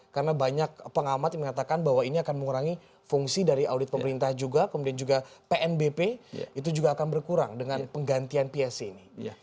karena banyak pengamat yang mengatakan bahwa ini akan mengurangi fungsi dari audit pemerintah juga kemudian juga pnbp itu juga akan berkurang dengan penggantian psc ini